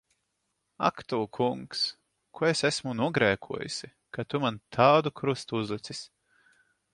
Ak tu Kungs! Ko es esmu nogrēkojusi, ka tu man tādu krustu uzlicis!